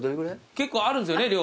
結構あるんですよね量は。